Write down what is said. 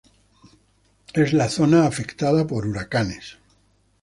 Es la zona afectada por huracanes.